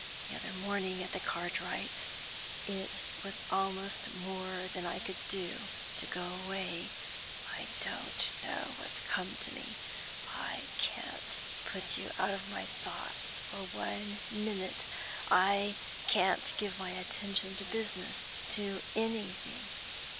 The other morning at the Cartwrights' it was almost more than I could do to go away. I don't know what's come to me; I can't put you out of my thoughts for one minute; I can't give my attention to business, to anything.